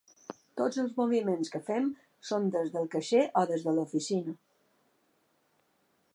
Tots els moviments que fem són des del caixer o des de l’oficina.